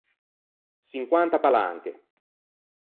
Çinquanta palanche.